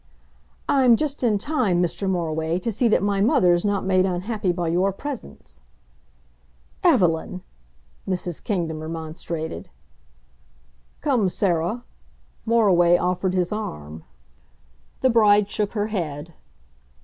"I'm just in time, Mr. Moriway, to see that my mother's not made unhappy by your presence." "Evelyn!" Mrs. Kingdon remonstrated. "Come, Sarah." Moriway offered his arm. The bride shook her head.